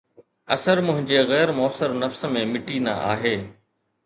اثر منهنجي غير موثر نفس ۾ مٽي نه آهي